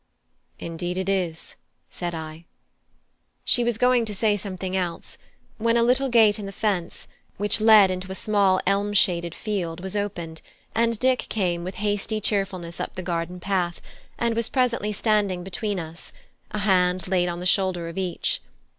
"Indeed it is," said I. She was going to say something else, when a little gate in the fence, which led into a small elm shaded field, was opened, and Dick came with hasty cheerfulness up the garden path, and was presently standing between us, a hand laid on the shoulder of each.